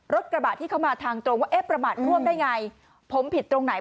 รถกระบะที่เขามาทางตรงว่าเอ๊ะประมาทร่วมได้ไงผมผิดตรงไหน